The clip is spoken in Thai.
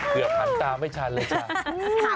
เผื่อขันตามให้ชั้นเลยช่า